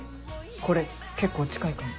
これ結構近いかも。